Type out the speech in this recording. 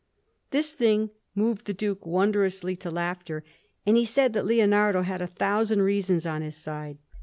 This thing moved the Duke wondrously to laughter, and he said that Leonardo had a thousand reasons on his side.